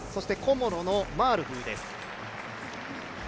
コモロのマールフーです。